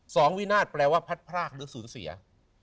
สองวินาธิ์แปลว่าพัดพรากหรือศูนย์เสีย